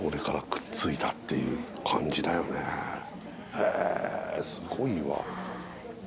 へえすごいわ。